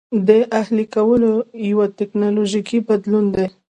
د اهلي کولو یو ټکنالوژیکي بدلون دی.